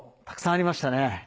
たくさんありましたね。